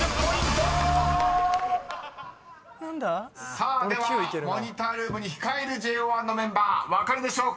［さあではモニタールームに控えるＪＯ１のメンバー分かるでしょうか］